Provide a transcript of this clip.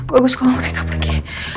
bagus kalau mereka pergi